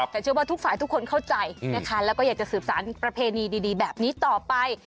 แต่เชื่อว่าทุกฝ่ายทุกคนเข้าใจนะคะแล้วก็อยากจะสืบสารประเพณีดีแบบนี้ต่อไป